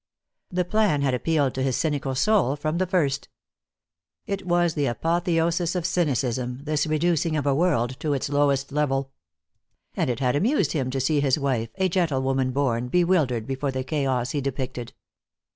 The plan had appealed to his cynical soul from the first. It was the apotheosis of cynicism, this reducing of a world to its lowest level. And it had amused him to see his wife, a gentlewoman born, bewildered before the chaos he depicted.